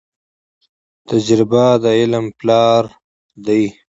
تجربه د علم پلار دی.